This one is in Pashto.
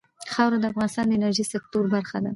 خاوره د افغانستان د انرژۍ سکتور برخه ده.